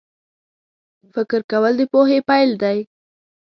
فکر کول د پوهې پیل دی